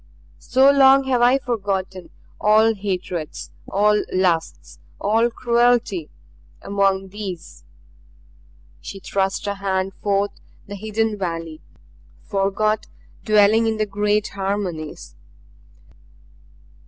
So long have I forgotten all hatreds, all lusts, all cruelty among these " She thrust a hand forth toward the hidden valley. "Forgot dwelling in the great harmonies.